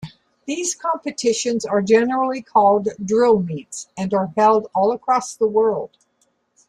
These competitions are generally called "drill meets", and are held all across the world.